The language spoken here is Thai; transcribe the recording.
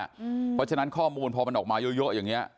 เพราะฉะนั้นข้อมูลพอมันออกมาเยอะอย่างนี้